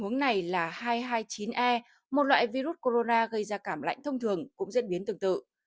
hướng này là hai trăm hai mươi chín e một loại virus corona gây ra cảm lạnh thông thường cũng diễn biến tương tự